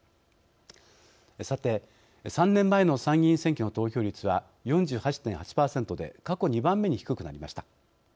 さて、３年前の参議院選挙の投票率は４８．８％で過去２番目に低くなりました。